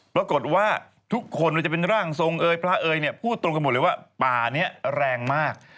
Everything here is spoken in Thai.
ปรากฏว่าทุกคนว่าจะเป็นร่างทรงเอยพระเอ๋ยเนี่ยพูดตรงกันหมดเลยว่าป่านี้แรงมาก